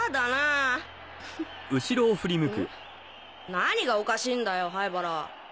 何がおかしいんだよ灰原。